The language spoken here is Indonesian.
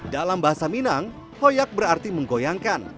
dalam bahasa minang hoyak berarti menggoyangkan